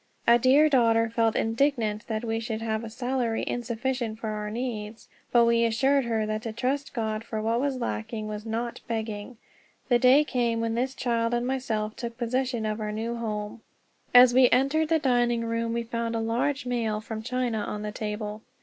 A dear daughter felt indignant that we should have a salary insufficient for our needs; but we assured her that to trust God for what was lacking was not begging. The day came when this child and myself took possession of our new home. As we entered the dining room we found a large mail from China on the table.